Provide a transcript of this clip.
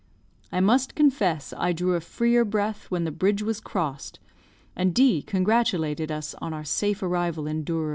I must confess I drew a freer breath when the bridge was crossed, and D congratulated us on our safe arrival in Douro.